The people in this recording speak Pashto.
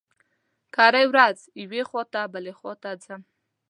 کرۍ ورځ يوې خوا ته بلې خوا ته ځلم.